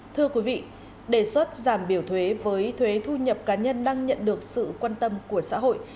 thưa quý vị đề xuất giảm biểu thuế với thuế thu nhập cá nhân đang nhận được sự quan tâm của xã hội